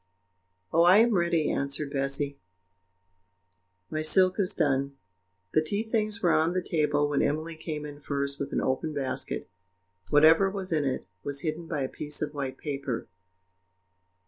"Oh, I am ready," answered Bessy; "my silk is done." The tea things were on the table when Emily came in first with an open basket whatever was in it was hidden by a piece of white paper.